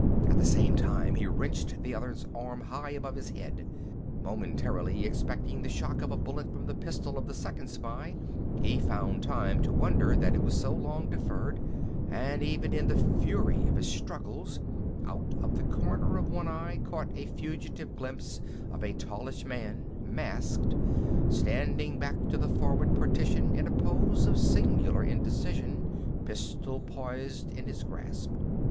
At the same time he wrenched the other's arm high above his head. Momentarily expecting the shock of a bullet from the pistol of the second spy, he found time to wonder that it was so long deferred, and even in the fury of his struggles, out of the corner of one eye caught a fugitive glimpse of a tallish man, masked, standing back to the forward partition in a pose of singular indecision, pistol poised in his grasp.